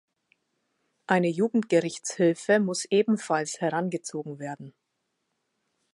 Eine Jugendgerichtshilfe muss ebenfalls herangezogen werden.